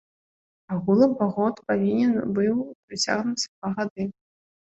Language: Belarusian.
Агулам паход павінен быў працягнуцца два гады.